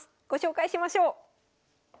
ご紹介しましょう。